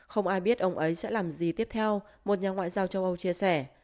không ai biết ông ấy sẽ làm gì tiếp theo một nhà ngoại giao châu âu chia sẻ